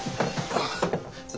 ああ。